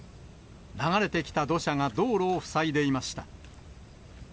流れてきた土砂が道路を塞いでいました。